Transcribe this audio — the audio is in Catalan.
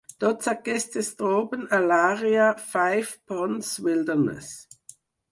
Tots aquests es troben a l'àrea Five Ponds Wilderness.